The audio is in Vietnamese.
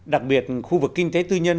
đặc biệt khu vực kinh tế tư nhân